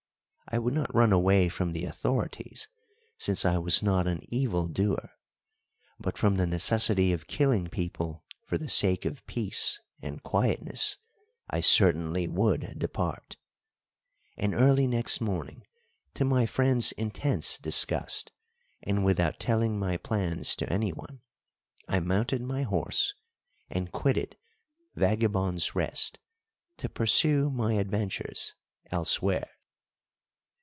I would not run away from the authorities, since I was not an evil doer, but from the necessity of killing people for the sake of peace and quietness I certainly would depart. And early next morning, to my friend's intense disgust, and without telling my plans to anyone, I mounted my horse and quitted Vagabond's Rest to pursue my adventures elsewhere.